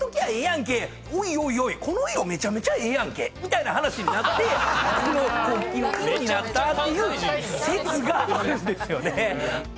おいおいこの色めちゃめちゃええやんけみたいな話になってこの国旗の色になったっていう説があるんですよね。